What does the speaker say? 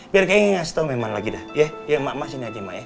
biar kayaknya ngasih tau memang lagi dah ya ya emak emak sini aja emak ya